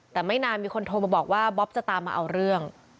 แต่ไม่นานมีคนโทรมาบอกว่าบ๊อบจะตามมาเอาเรื่อง